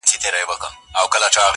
• هو پاچا ملا وزیر ملا سهي ده..